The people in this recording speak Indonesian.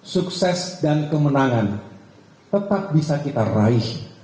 sukses dan kemenangan tetap bisa kita raih